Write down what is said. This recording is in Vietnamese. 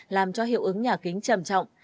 làm cho hiệu ứng nhà kính trầm trọng